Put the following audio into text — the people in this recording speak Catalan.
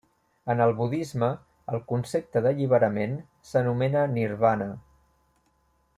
En el budisme el concepte d'alliberament s'anomena nirvana.